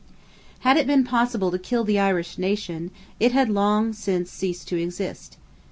Had it been possible to kill the Irish Nation, it had long since ceased to exist.